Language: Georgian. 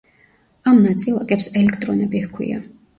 ამ ნაწილაკებს ელექტრონები ჰქვია.